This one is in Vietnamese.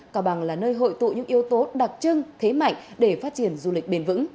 cao bằng là nơi hội tụ những yếu tố đặc trưng thế mạnh để phát triển du lịch bền vững